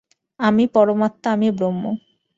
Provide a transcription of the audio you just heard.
আমি পরমাত্মা, আমি ব্রহ্ম।